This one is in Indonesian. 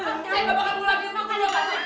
iya sama sekali ganteng ini makan nih ganteng